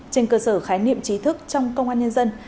trên cơ sở khái niệm trí thức trong công an nhân dân